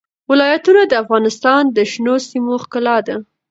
ولایتونه د افغانستان د شنو سیمو ښکلا ده.